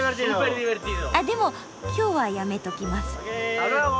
あっでも今日はやめときます。